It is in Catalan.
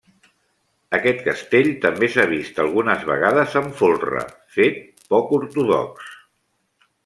Aquest castell també s'ha vist algunes vegades amb folre, fet poc ortodox.